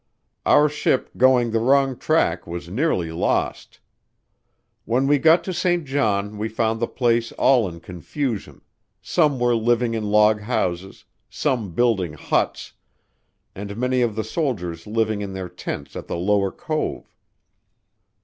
Our ship going the wrong track was nearly lost. When we got to St. John we found the place all in confusion; some were living in log houses, some building huts, and many of the soldiers living in their tents at the Lower Cove.